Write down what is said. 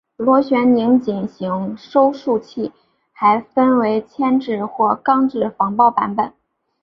螺旋拧紧型收束器还分为铅制或钢制防爆版本。